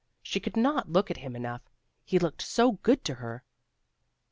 She could not look at him enough, he looked so good to her.